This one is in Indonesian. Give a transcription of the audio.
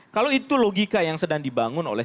kalau itu logika yang sedang dibangun oleh